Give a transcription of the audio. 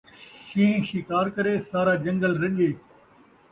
شین٘ہ شکار کرے سارا جن٘گل رڄے